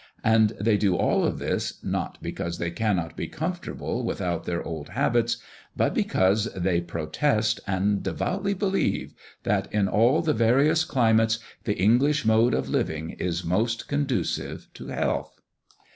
And they do all this, not because they cannot be comfortable without their old habits; but because they protest and devoutly believe, that in all the various climates the English mode of living is most conducive to health.